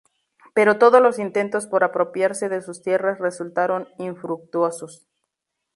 Pero todos los intentos por apropiarse de sus tierras resultaron infructuosos.